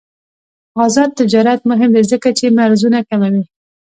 آزاد تجارت مهم دی ځکه چې مرزونه کموي.